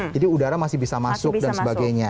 jadi udara masih bisa masuk dan sebagainya